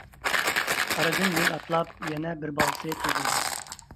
ئارىدىن يىل ئاتلاپ يەنە بىر بالىسى تۇغۇلدى.